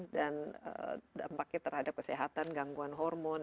dan dampaknya terhadap kesehatan gangguan hormon